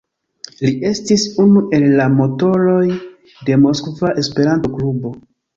Li estis unu el la motoroj de Moskva Esperanto-Klubo.